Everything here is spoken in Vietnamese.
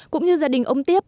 cũng như gia đình ông tiếp